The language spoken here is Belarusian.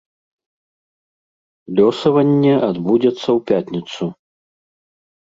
Лёсаванне адбудзецца ў пятніцу.